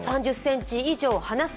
３０ｃｍ以上離す。